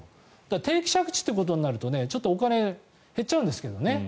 定期着地となるとちょっとお金減っちゃうんですけどね。